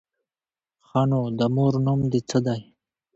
_ښه نو، د مور نوم دې څه دی؟